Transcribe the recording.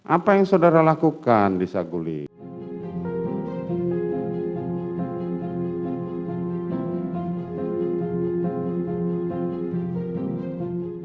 apa yang saudara lakukan di saguling